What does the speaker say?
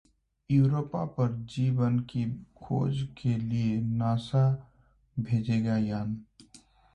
Europa पर जीवन की खोज के लिए नासा भेजेगा यान